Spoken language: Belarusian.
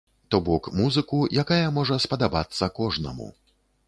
То бок, музыку, якая можа спадабацца кожнаму.